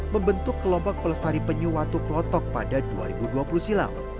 membentuk kelompok pelestari penyu watu klotok pada dua ribu dua puluh silam